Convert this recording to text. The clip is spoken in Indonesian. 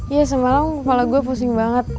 iya semalam kepala gue pusing banget